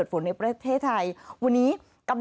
ค่ะคือเมื่อวานี้ค่ะ